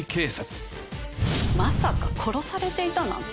まさか殺されていたなんて。